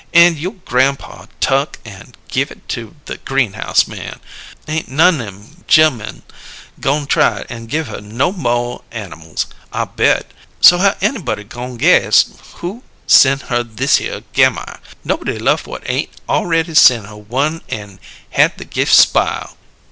an' you' grampaw tuck an' give it to the greenhouse man. Ain't none nem ge'lmun goin' try an' give her no mo' animals, I bet! So how anybody goin' guess who sen' her thishere Gammire? Nobody lef' whut ain't awready sen' her one an' had the gift spile."